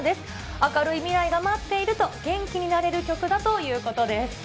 明るい未来が待っていると元気になれる曲だということです。